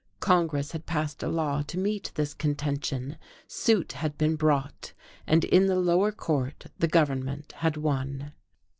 Congress had passed a law to meet this contention, suit had been brought, and in the lower court the government had won.